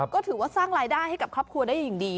ก็ถือว่าสร้างรายได้ให้กับครอบครัวได้อย่างดี